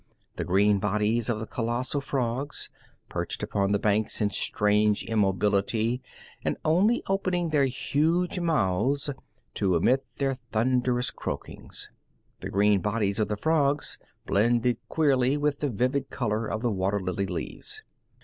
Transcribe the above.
The green bodies of the colossal frogs perched upon the banks in strange immobility and only opening their huge mouths to emit their thunderous croakings the green bodies of the frogs blended queerly with the vivid color of the water lily leaves.